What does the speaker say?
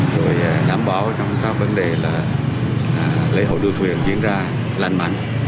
rồi đảm bảo trong các vấn đề là lễ hội đua thuyền diễn ra lành mạnh